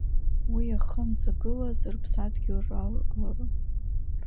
Уи иахамҵгылаз, рыԥсадгьыл ралгара.